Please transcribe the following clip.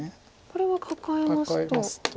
これはカカえますと。